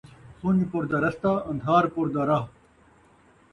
سُن٘ڄ پور دا رستہ ، ان٘دھار پور دا راہ